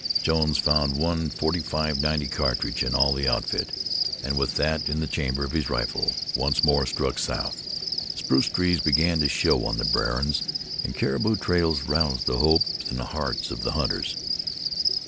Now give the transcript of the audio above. Jones found one 45 90 cartridge in all the outfit, and with that in the chamber of his rifle, once more struck south. Spruce trees began to show on the barrens and caribou trails roused hope in the hearts of the hunters.